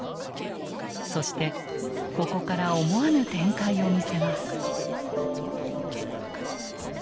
そしてここから思わぬ展開を見せます。